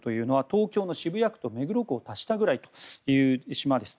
東京の渋谷区と目黒区を足したぐらいという島です。